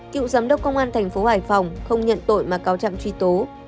cựu giám đốc công an tp hải phòng không nhận tội mà cáo chạm truy tố